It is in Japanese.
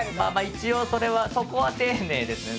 一応それはそこは丁寧ですね。